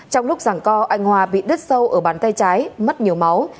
trong lúc giảng co anh hoa bị đứt sâu ở bàn tay trái mất nhiều máu